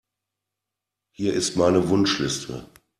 Hier ist meine Wunschliste.